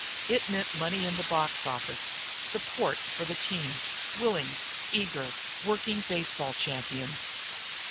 It meant money in the box office, support for the team, willing, eager, working baseball champions.